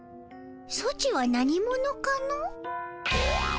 ソチは何者かの？